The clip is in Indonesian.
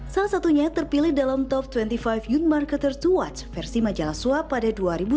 salah satunya terpilih dalam top dua puluh lima youth marketers to watch versi majalah swap pada dua ribu sembilan